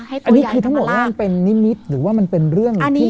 อันนี้คือทั้งหมดนี้มันเป็นนิมิตรหรือว่ามันเป็นเรื่องที่